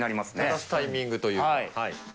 出すタイミングというか。